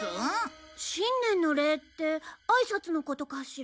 新年の礼ってあいさつのことかしら？